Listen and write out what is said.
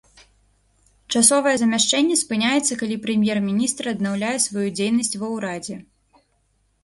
Часовае замяшчэнне спыняецца, калі прэм'ер-міністр аднаўляе сваю дзейнасць ва ўрадзе.